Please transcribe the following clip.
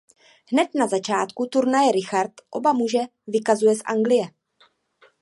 Hned na začátku turnaje Richard oba muže vykazuje z Anglie.